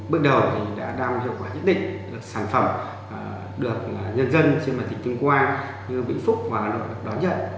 bước đầu thì đã đam hiệu quả nhất định được sản phẩm được nhân dân trên mạng thị trường qua như vĩnh phúc và loại đón nhận